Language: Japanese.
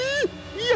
いや！